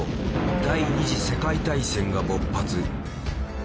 第二次世界大戦が勃発。